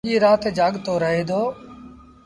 سڄيٚ رآت جآڳتو رهي دو۔